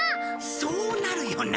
そうなるよな。